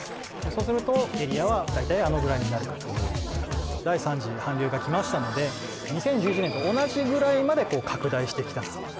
そうするとエリアはだいたいあのぐらいになるかなとがきましたので２０１１年と同じぐらいまでこう拡大してきたなと